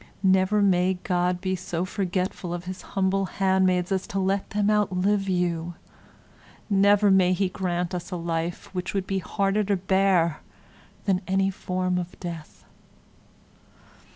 Never may God be so forgetful of his humble handmaids as to let them outlive you; never may he grant us a life which would be harder to bear than any form of death.